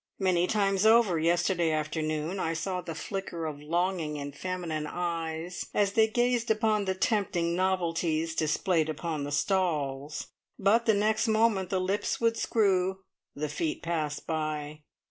Many times over yesterday afternoon I saw the flicker of longing in feminine eyes as they gazed upon the tempting novelties displayed upon the stalls, but the next moment the lips would screw, the feet pass by.